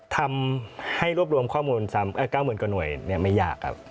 ทำให้รวบรวมข้อมูล๙๐กระหน่วยไม่ยาก